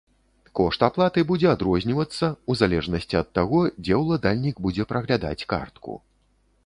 Кошт аплаты будзе адрознівацца, у залежнасці ад таго, дзе ўладальнік будзе праглядаць картку.